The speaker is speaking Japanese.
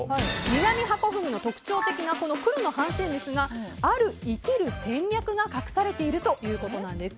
ミナミハコフグの特徴的な黒の斑点ですがある生きる戦略が隠されているということなんです。